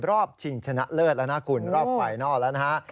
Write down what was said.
ชิงชนะเลิศแล้วนะคุณรอบไฟนอลแล้วนะฮะ